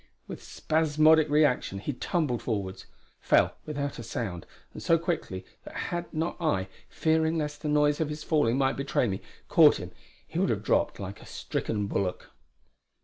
With spasmodic reaction he tumbled forwards; fell without a sound, and so quickly that had not I, fearing lest the noise of his falling might betray me, caught him, he would have dropped like a stricken bullock.